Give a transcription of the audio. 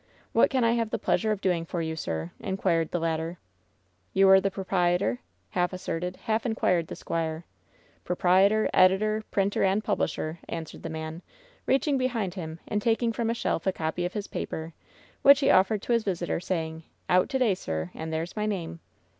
What can I have the pleasure of doing for you, sir ?" inquired the latter. "You are the proprietor ?" half asserted, half inquired the squire. "Proprietor, editor, printer and publisher," answered the man, reaching behind him and taking from a shelf a copy of his paper, which he offered to his visitor, saying: "Out to day, sir ; and there's my name."